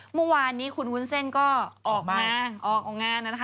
เมื่อวานนี้คุณวุ้นเส้นก็ออกงาน